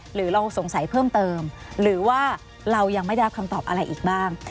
หรือเราสงสัยเพิ่มเติมหรือว่าเรายังไม่ได้รับคำตอบอะไรอีกบ้าง